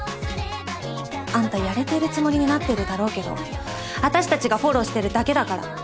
あんたやれてるつもりになってるだろうけどあたしたちがフォローしてるだけだから。